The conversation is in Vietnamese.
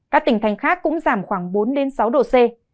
các tỉnh thành khác cũng giảm khoảng bốn sáu độ c